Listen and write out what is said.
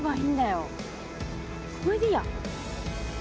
これでいいや。